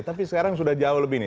tapi sekarang sudah jauh lebih nih